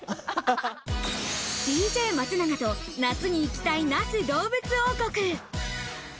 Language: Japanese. ＤＪ松永と夏に行きたい那須どうぶつ王国。